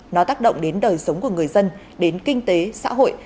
nó tác động đến đời sống của người dân đến kinh tế xã hội